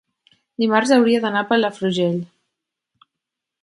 dimarts hauria d'anar a Palafrugell.